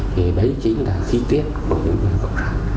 thì đấy chính là chi tiết của những người cộng sản